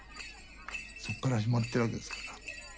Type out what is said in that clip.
そこから始まってるわけですから。